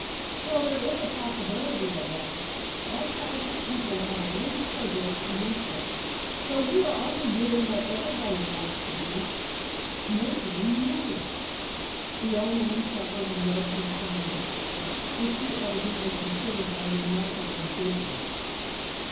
"Well, there is a possibility of that. That class of people have a little prejudice against us, though we are only doing what everybody wants to do, making money." The old man chuckled and rubbed his hands at this joke, which he evidently considered a remarkably good one.